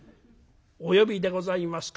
『お呼びでございますか？』